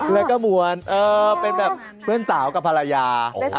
แล้วก็ม้วนเป็นแบบเพื่อนสาวกับภรรยา